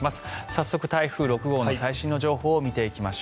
早速、台風６号の最新の情報を見ていきます。